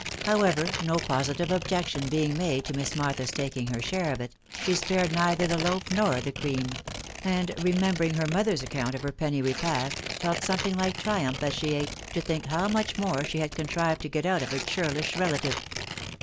How ever, no positive objection being made to Miss Martha's taking her share of it, she spared neither the loaf nor the cream ; and remembering her mother's account of her penny repast, felt something like triumph as she ate, to think how much more she had contrived to get out of her churlish relative.